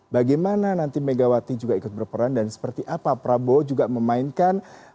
bagaimana nanti megawati juga ikut berperan dan seperti apa prabowo juga memainkan